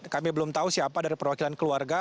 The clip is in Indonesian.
kami belum tahu siapa dari perwakilan keluarga